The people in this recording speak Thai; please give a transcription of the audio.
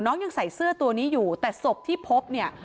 ยังใส่เสื้อตัวนี้อยู่แต่ศพที่พบเนี่ย